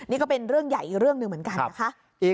นี่ก็เป็นเรื่องใหญ่อีกเรื่องหนึ่งเหมือนกันนะคะ